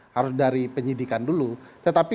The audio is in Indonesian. harus dari penyidikan dulu tetapi